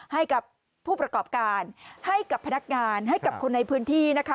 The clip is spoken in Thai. ให้กับผู้ประกอบการให้กับพนักงานให้กับคนในพื้นที่นะคะ